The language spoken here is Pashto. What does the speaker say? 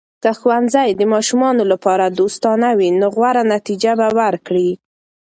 که ښوونځي د ماشومانو لپاره دوستانه وي، نو غوره نتیجه به ورکړي.